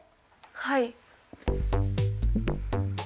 はい。